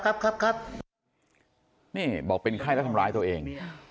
เมปเมคนี้บอกเป็นไข่และทำร้ายตัวเอง